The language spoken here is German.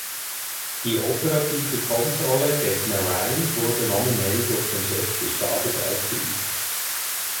Die operative Kontrolle des Marine wurde nominell durch den Chef des Stabes ausgeübt.